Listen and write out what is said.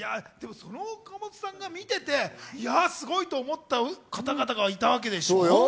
その岡本さんが見てて、すごいと思った方々がいたわけでしょ？